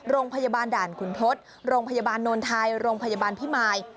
โรงพยาบาลด่านขุนทศโรงพยาบาลโนนไทยโรงพยาบาลพิมาย